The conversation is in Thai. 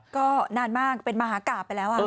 ก็นานมากเป็นมหากราบไปแล้ว